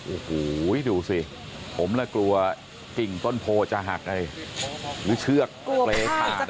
โอ้โหดูสิผมและกลัวกิ่งต้นโพจะหักหรือเชือกเปรย์ขาด